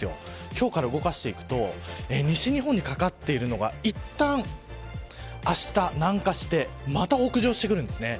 今日から動かすと西日本にかかっているのがいったん、あした南下してまた北上してくるんですね。